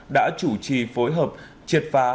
đã chủ trì phối hợp triệt phá